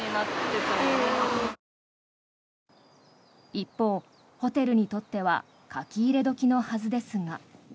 一方、ホテルにとっては書き入れ時のはずですが。